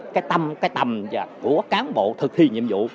cái tâm của cán bộ thực thi nhiệm vụ